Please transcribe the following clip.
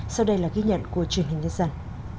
sau đây là ghi nhận của truyền hình nhân dân